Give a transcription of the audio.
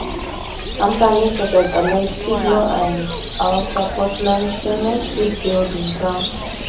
Companies such as Allied Signal and Alpha Portland Cement did build in town.